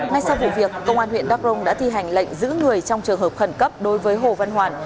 ngay sau vụ việc công an huyện đắk rông đã thi hành lệnh giữ người trong trường hợp khẩn cấp đối với hồ văn hoàn